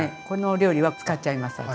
このお料理は使っちゃいます